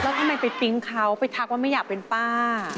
แล้วทำไมไปปิ๊งเขาไปทักว่าไม่อยากเป็นป้า